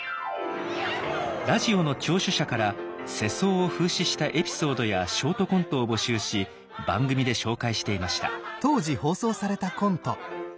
ラジオの聴取者から世相を風刺したエピソードやショートコントを募集し番組で紹介していました。